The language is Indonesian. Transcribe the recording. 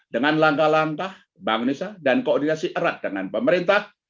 dengan langkah langkah bank indonesia dan koordinasi erat dengan pemerintah